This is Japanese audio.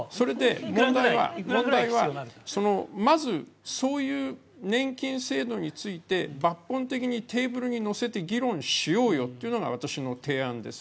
問題はまずそういう年金制度について抜本的にテーブルに載せて議論しようよというのが私の提案です。